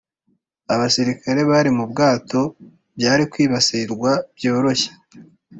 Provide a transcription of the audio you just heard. abasirikare bari mu bwato byari kwibasirwa byoroshye.